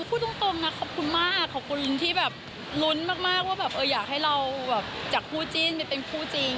พูดตรงนะขอบคุณมากขอบคุณที่แบบลุ้นมากว่าแบบอยากให้เราแบบจากคู่จิ้นไปเป็นคู่จริง